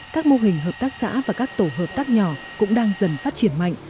các mô hình hợp tác xã và các tổ hợp tác nhỏ cũng đang dần phát triển mạnh